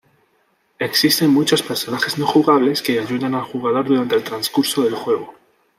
Existen muchos personajes no jugables que ayudan al jugador durante el transcurso del juego.